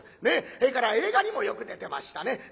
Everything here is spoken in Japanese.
ねっそれから映画にもよく出てましたね。